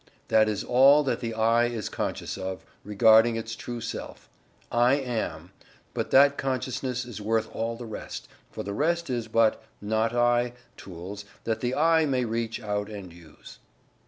That is all that the "I" is conscious of, regarding its true self: "I AM," but that consciousness is worth all the rest, for the rest is but "not I" tools that the "I" may reach out and use.